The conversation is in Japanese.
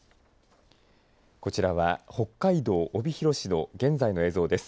こちらは、北海道帯広市の現在の映像です。